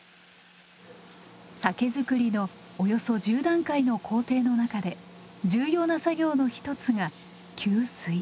酒造りのおよそ１０段階の工程の中で重要な作業の一つが「吸水」。